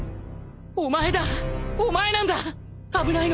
お前だお前なんだ危ないのは